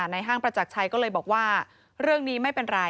ห้างประจักรชัยก็เลยบอกว่าเรื่องนี้ไม่เป็นไร